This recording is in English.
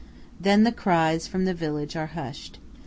Then the cries from the village are hushed.